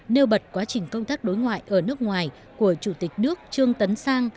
nêu bật quá trình công tác đối ngoại ở nước ngoài của chủ tịch nước trương tấn sang